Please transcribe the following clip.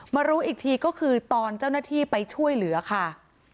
รู้อีกทีก็คือตอนเจ้าหน้าที่ไปช่วยเหลือค่ะ